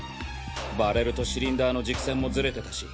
バレルとシリンダーの軸線もズレてたし